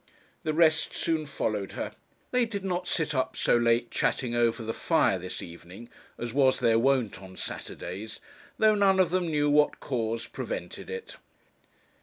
The rest soon followed her. They did not sit up so late chatting over the fire this evening, as was their wont on Saturdays, though none of them knew what cause prevented it.